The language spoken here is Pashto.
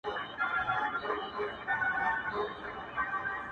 راسه دروې ښيم;